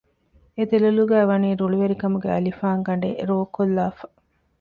އެދޮލޮލުގައި ވަނީ ރުޅިވެރިކަމުގެ އަލިފާން ގަނޑެއް ރޯކޮށްލާފަ